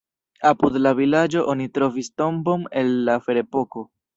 Apud la vilaĝo oni trovis tombon el la ferepoko.